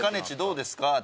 ちどうですか？